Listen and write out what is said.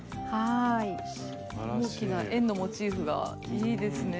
大きな円のモチーフがいいですねぇ。